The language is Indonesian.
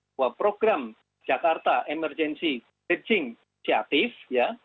bahwa program jakarta emergency daging ciatif ya